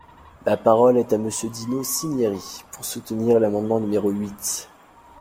La parole est à Monsieur Dino Cinieri, pour soutenir l’amendement numéro huit.